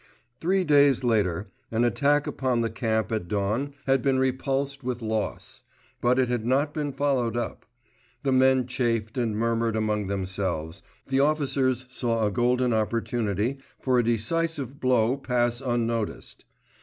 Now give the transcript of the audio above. Three days later an attack upon the camp at dawn had been repulsed with loss; but it had not been followed up. The men chafed and murmured among themselves; the officers saw a golden opportunity for a decisive blow pass unnoticed.